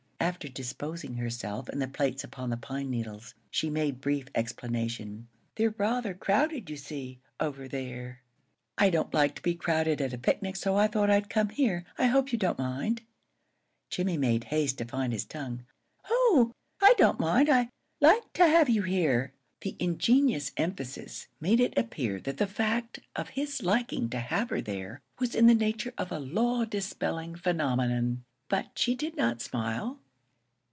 After disposing herself and the plates upon the pine needles, she made brief explanation. "They're rather crowded, you see, over there. I don't like to be crowded at a picnic, so I thought I'd come here. I hope you don't mind." Jimmie made haste to find his tongue. "Oh, I don't mind! I like to have you here." The ingenuous emphasis made it appear that the fact of his liking to have her there was in the nature of a law dispelling phenomenon, but she did not smile.